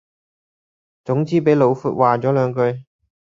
總之俾老闊話左兩句